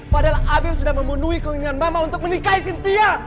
padahal afif sudah memenuhi keinginan mama untuk menikahi cynthia